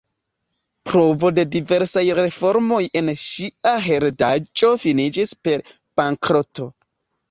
Provo de diversaj reformoj en ŝia heredaĵo finiĝis per bankroto.